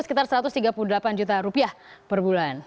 sekitar satu ratus tiga puluh delapan juta rupiah per bulan